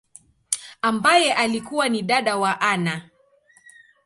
ambaye alikua ni dada wa Anna.